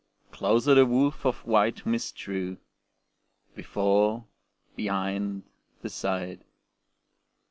Closer the woof of white mist drew, Before, behind, beside.